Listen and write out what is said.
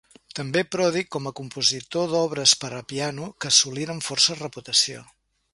També pròdig com a compositor d'obres per a piano que assoliren força reputació.